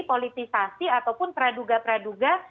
politisasi ataupun praduga praduga